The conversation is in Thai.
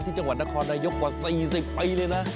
ที่จังหวานนครนโยคกว่า๔๐ไปเลยนะ